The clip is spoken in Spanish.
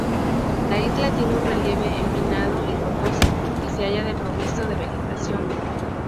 La isla tiene un relieve empinado y rocoso y se halla desprovisto de vegetación.